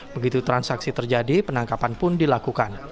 begitu transaksi terjadi penangkapan pun dilakukan